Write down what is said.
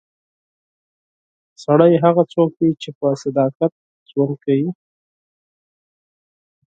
سړی هغه څوک دی چې په صداقت ژوند کوي.